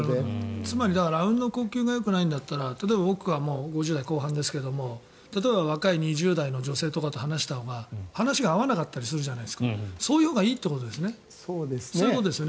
つまり、あうんの呼吸がよくないんだったら例えば、僕は５０代後半ですが若い２０代の女性とかと話すほうが話が合わなかったりするのでそのほうがいいというそういうことですよね。